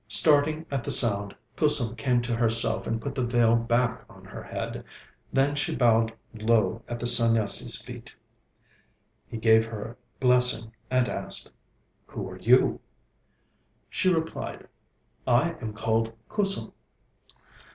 Starting at the sound, Kusum came to herself and put the veil back on her head. Then she bowed low at the Sanyasi's feet. He gave her blessing and asked: 'Who are you?' She replied: 'I am called Kusum.'